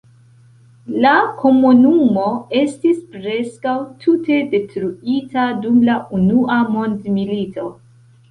La komunumo estis preskaŭ tute detruita dum la Unua mondmilito.